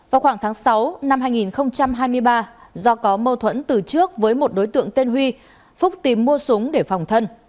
vào khoảng tháng sáu năm hai nghìn hai mươi ba do có mâu thuẫn từ trước với một đối tượng tên huy phúc tìm mua súng để phòng thân